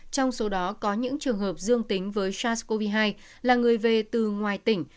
trong số đó có những trường hợp dương tính với sars cov hai là người về từ ngoài tỉnh